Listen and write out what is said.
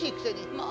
まあ。